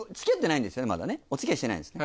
お付き合いしてないですね。